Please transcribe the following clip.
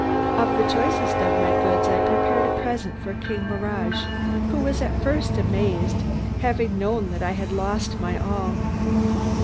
Of the choicest of my goods I prepared a present for King Mihrage, who was at first amazed, having known that I had lost my all.